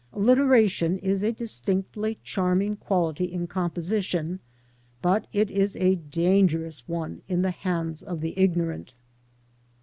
Allitera tion iS^a distinctly charming quality in composition but it is a dangerous one in the hands of the ignorant.